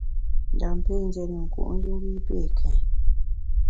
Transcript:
Ndam pé ndié ne nku’njù na mbu i pé kèn.